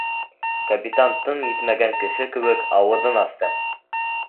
Капитан тын етмәгән кеше кеүек ауыҙын асты.